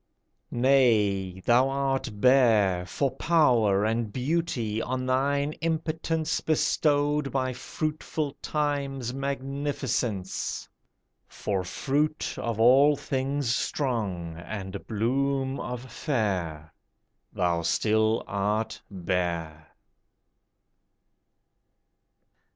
Nay! thou art bare For power and beauty on thine impotence Bestowed by fruitful Time's magnificence; For fruit of all things strong, and bloom of fair, Thou still art bare.